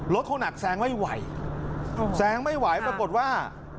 คงหนักแซงไม่ไหวแซงไม่ไหวปรากฏว่า